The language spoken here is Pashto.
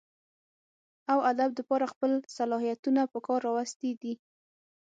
اوادب دپاره خپل صلاحيتونه پکار راوستي دي